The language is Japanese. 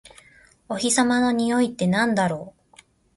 お日様のにおいってなんだろう？